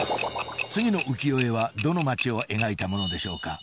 次の浮世絵はどの街を描いたものでしょうか？